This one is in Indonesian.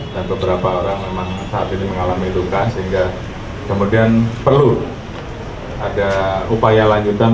dan beberapa orang memang saat ini mengalami luka sehingga kemudian perlu ada upaya lanjutan